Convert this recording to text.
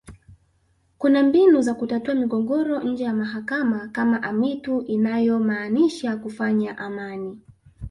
Kuna mbinu za kutatua migogoro nje ya mahakama kama amitu inayomaanisha kufanya amani